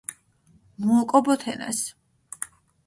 მუ ოკო ბო თენას